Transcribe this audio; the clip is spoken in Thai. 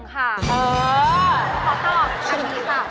ขอตอบอันนี้ค่ะ